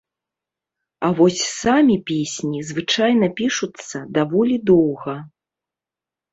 А вось самі песні звычайна пішуцца даволі доўга.